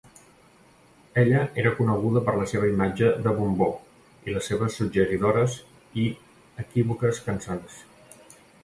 Ella era coneguda per la seva imatge de "bombó" i les seves suggeridores i equívoques cançons.